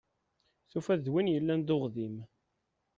Tufa-t d win yellan d uɣdim.